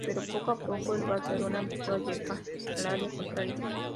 Pero poco a poco el Barcelona empezó a llegar al área contraria.